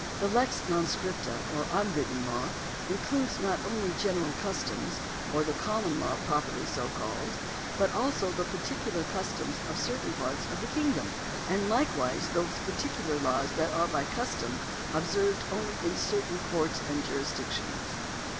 The lex non scripta, or unwritten law, includes not only general customs, or the common law properly so called ; but also the particular customs of certain parts of the kingdom ; and likewise those particular laws that are by custom ob served only in certain courts and jurisdictions."